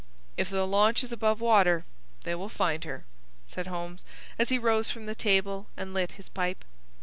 "If the launch is above water they will find her," said Holmes, as he rose from the table and lit his pipe.